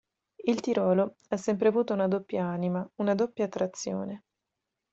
Il Tirolo ha sempre avuto una doppia anima, una doppia attrazione.